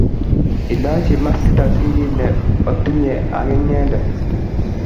ilochi maskit asiriib ne otinye ak inyende